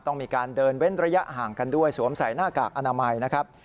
ต้องมีการเดินเว้นระยะห่างกันด้วยสวมใส่หน้ากากอนามัยนะครับ